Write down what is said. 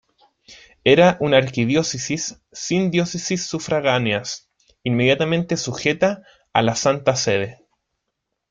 Era un archidiócesis sin diócesis sufragáneas, inmediatamente sujeta a la Santa Sede.